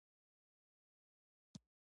که نیا درته څه وویل له مور یې مه پوښته.